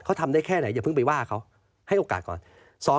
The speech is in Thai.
เขาทำได้แค่ไหนอย่าเพิ่งไปว่าเขาให้โอกาสก่อน